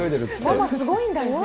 ママすごいんだよって。